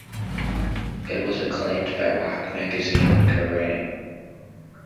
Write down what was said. It was acclaimed by rock magazine, Kerrang!